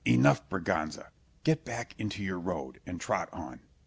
Enough, Berganza; get back into your road, and trot on.